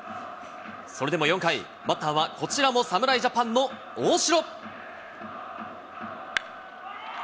それでも４回、バッターはこちらも侍ジャパンの大城。